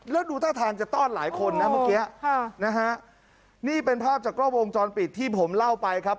แล้วดูท่าทางจะต้อนหลายคนนะเมื่อกี้ค่ะนะฮะนี่เป็นภาพจากกล้อวงจรปิดที่ผมเล่าไปครับ